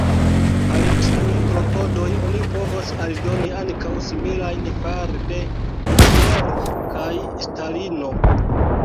Al tiuj klopodoj oni povos aldoni ankaŭ similajn fare de Hitlero kaj Stalino.